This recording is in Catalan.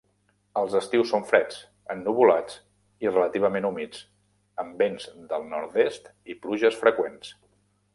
Els estius són freds, ennuvolats i relativament humits, amb vents del nord-est i pluges freqüents.